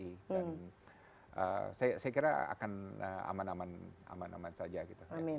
dan saya kira akan aman aman aman aman saja gitu